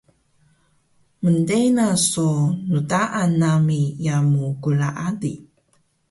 mntena so ndaan nami yamu klaali